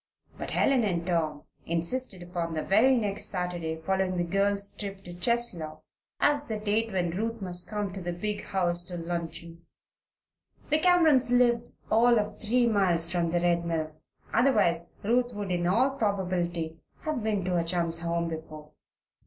But Helen and Tom insisted upon the very next Saturday following the girls' trip to Cheslow as the date when Ruth must come to the big house to luncheon. The Camerons lived all of three miles from the Red Mill; otherwise Ruth would in all probability have been to her chum's home before.